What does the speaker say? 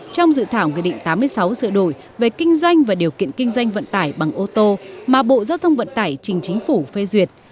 trong dự thảo nghị định tám mươi sáu sửa đổi về kinh doanh và điều kiện kinh doanh vận tải bằng ô tô mà bộ giao thông vận tải trình chính phủ phê duyệt